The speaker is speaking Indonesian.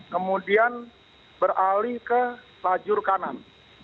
kemudian beralih ke lajur kanan